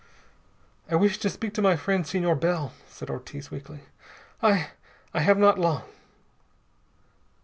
"I wish to speak to my friend, Senor Bell," said Ortiz weakly. "I I have not long."